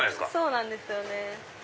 そうなんですよね。